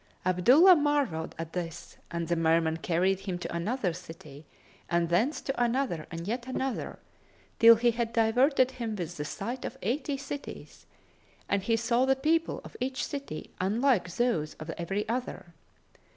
Abdullah marvelled at this and the Merman carried him to another city and thence to another and yet another, till he had diverted him with the sight of eighty cities, and he saw the people of each city unlike those of every other.